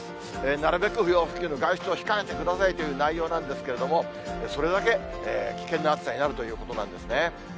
なるべく不要不急の外出を控えてくださいという内容なんですけれども、それだけ危険な暑さになるということなんですね。